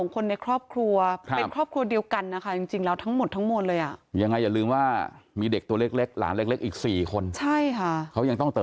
๔คนเขายังต้องเติบโตอีก